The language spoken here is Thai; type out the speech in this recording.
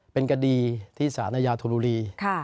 เป็นกะดีที่ศาลายาธุรุรี